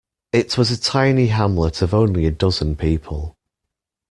It was a tiny hamlet of only a dozen people.